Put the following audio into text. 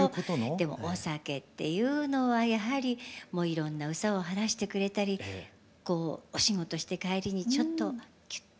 でもお酒っていうのはやはりもういろんな憂さを晴らしてくれたりお仕事して帰りにちょっとキュッとこういいじゃない？ってそういう。